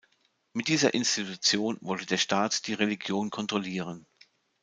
Mit dieser Institution wollte der Staat die Religion kontrollieren.